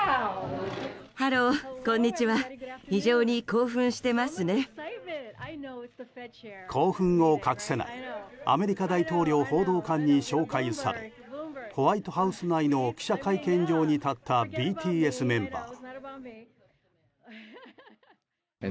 興奮を隠せないアメリカ大統領報道官に紹介されホワイトハウス内の記者会見場に立ったＢＴＳメンバー。